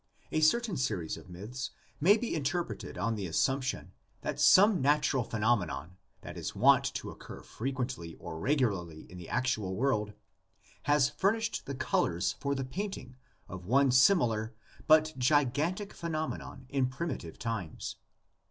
A certain series of myths may be interpreted on the assump VARIETIES OF THE LEGENDS. 17 tion that some natural phenomenon that is wont to occur frequently or regularly in the actual world has furnished the colors for the painting of one sim ilar but gigantic phenomenon in primitive times.